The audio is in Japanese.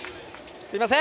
すいません！